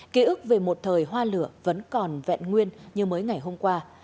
ký ức về một thời hoa lửa vẫn còn vẹn nguyên như mới ngày hôm qua